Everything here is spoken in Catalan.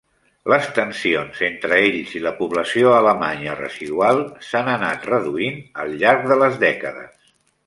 Les tensions entre ells i la població alemanya residual s'han anat reduint al llarg de les dècades.